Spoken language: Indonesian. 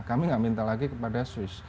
kami nggak minta lagi kepada swiss